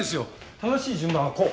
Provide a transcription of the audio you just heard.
正しい順番はこう。